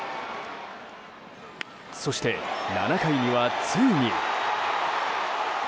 そして、７回にはついに。